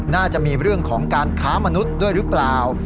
น่าจะมีเรื่องของการค้ามนุษย์ด้วยหรือเปล่า